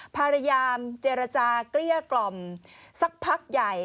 พยายามเจรจาเกลี้ยกล่อมสักพักใหญ่